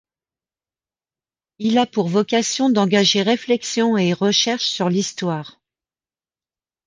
Il a pour vocation d'engager réflexions et recherches sur l'Histoire.